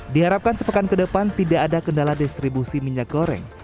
diharapkan sepekan ke depan tidak ada kendala distribusi minyak goreng